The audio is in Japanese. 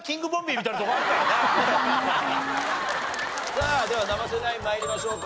さあでは生瀬ナイン参りましょうかね。